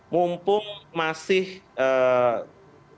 mumpung masih belum dikonsumsi